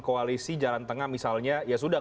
koalisi jalan tengah misalnya ya sudah